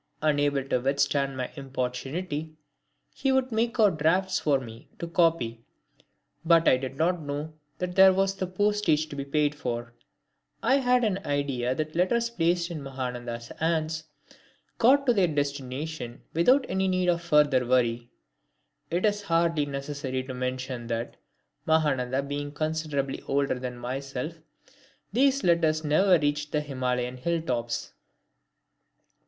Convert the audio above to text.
Unable to withstand my importunity he would make out drafts for me to copy. But I did not know that there was the postage to be paid for. I had an idea that letters placed in Mahananda's hands got to their destination without any need for further worry. It is hardly necessary to mention that, Mahananda being considerably older than myself, these letters never reached the Himalayan hill tops.